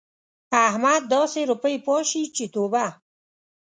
احمد داسې روپۍ پاشي چې توبه!